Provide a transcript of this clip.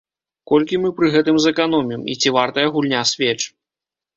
Колькі мы пры гэтым зэканомім, і ці вартая гульня свеч?